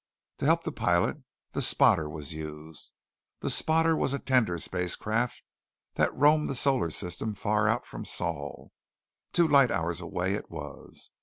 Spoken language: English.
To help the pilot, the spotter was used. The spotter was a tender spacecraft that roamed the solar system far out from Sol. Two light hours away it was.